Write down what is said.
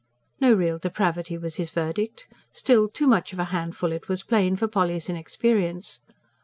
No real depravity, was his verdict. Still, too much of a handful, it was plain, for Polly's inexperience.